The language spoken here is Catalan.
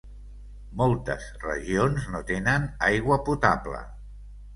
Moltes regions no tenen aigua potable.